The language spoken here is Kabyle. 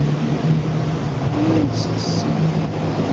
Rant-tt s tisselbi.